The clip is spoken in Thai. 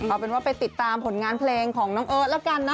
เอาเป็นว่าไปติดตามผลงานเพลงของน้องเอิร์ทแล้วกันนะ